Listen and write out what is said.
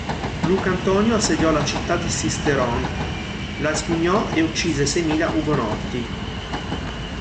Lucantonio assediò la città di Sisteron, la espugnò e uccise seimila Ugonotti.